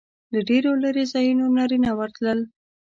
له ډېرو لرې ځایونو نارینه ورتلل.